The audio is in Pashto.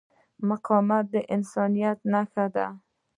مقاومت د انسانیت نښه ده.